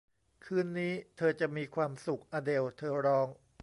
คืนนี้เธอจะมีความสุข อเดล เธอร้อง